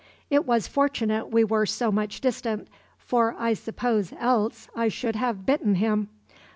It was fortunate we were so much distant, for I suppose else I should have bitten him.